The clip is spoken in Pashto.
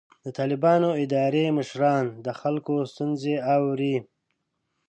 د طالبانو اداري مشران د خلکو ستونزې اوري.